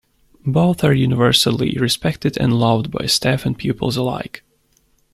Both are universally respected and loved by staff and pupils alike.